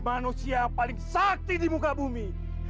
manusia paling sakti di muka bumi